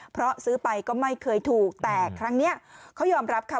เพราะซื้อไปก็ไม่เคยถูกแต่ครั้งนี้เขายอมรับค่ะ